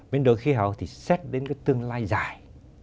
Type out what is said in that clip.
biến đổi khí hậu thì xét đến cái tương lai dài